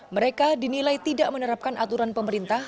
mereka dinilai tidak menerapkan aturan pemerintah